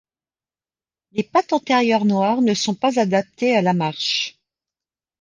Les pattes antérieures noires ne sont pas adaptées à la marche.